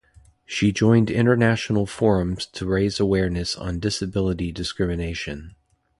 She joined international forums to raise awareness on disability discrimination.